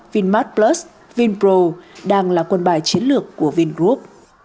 vinmart plus vinpro đang là quân bài chiến lược của vingroup